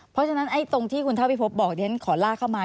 เพราะฉะนั้นตรงที่คุณเท่าพิพบบอกเดี๋ยวฉันขอลากเข้ามา